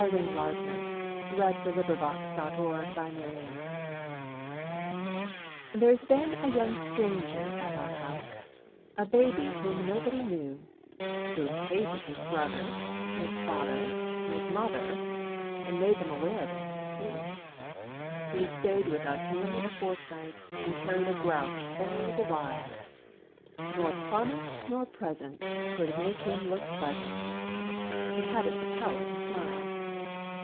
A VISIT FROM YOUNG GLOOM There's been a young stranger at our house, A baby whom nobody knew; Who hated his brother, his father, his mother, And made them aware of it, too. He stayed with us nearly a fortnight And carried a grouch all the while, Nor promise nor present could make him look pleasant; He hadn't the power to smile.